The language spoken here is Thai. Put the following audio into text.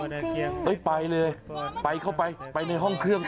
ไปเลยไปเข้าไปไปในห้องเครื่อง